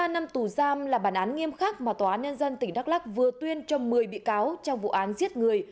một mươi năm tù giam là bản án nghiêm khắc mà tòa án nhân dân tỉnh đắk lắc vừa tuyên cho một mươi bị cáo trong vụ án giết người